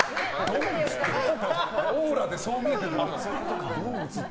オーラでそう見えてるだけ。